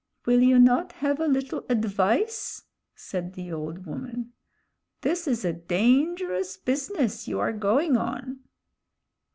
"Will you not have a little advice," said the old woman. "This is a dangerous business you are going on."